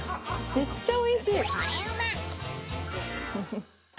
めっちゃおいしい。